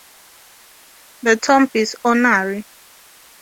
The tomb is honorary.